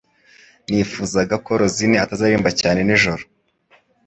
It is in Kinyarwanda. Nifuzaga ko Rusine atazaririmba cyane nijoro